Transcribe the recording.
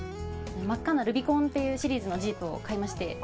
真っ赤なルビコンというシリーズのジープを買いまして。